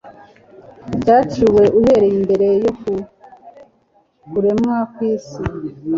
ryaciwe uhereye mbere yo ku kuremwa kw'isi.